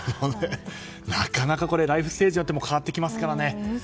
なかなかライフステージによって変わってきますからね。